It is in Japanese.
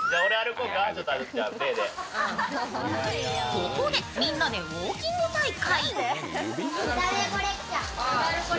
ここでみんなでウォーキング大会。